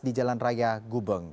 di jalan raya gubeng